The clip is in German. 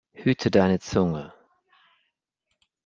Hüte deine Zunge!